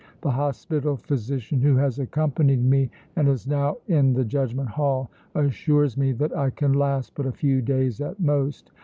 The hospital physician who has accompanied me and is now in the Judgment Hall assures me that I can last but a few days at most.